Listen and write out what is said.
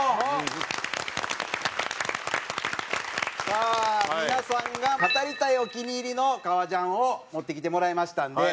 さあ皆さんが語りたいお気に入りの革ジャンを持ってきてもらいましたんで。